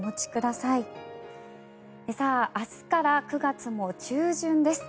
さあ、明日から９月も中旬です。